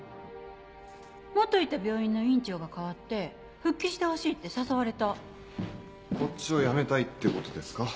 元いた病院の院長が代わって復帰してほしいって誘われたこっちを辞めたいってことですか？